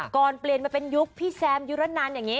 ก่อนเปลี่ยนมาเป็นยุคพี่แซมยุรนันอย่างนี้